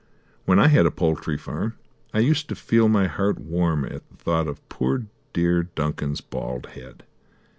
When I had a poultry farm I used to feel my heart warm at the thought of poor dear Duncan's bald head.